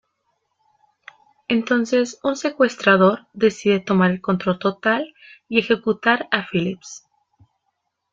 Entonces un secuestrador decide tomar el control total y ejecutar a Phillips.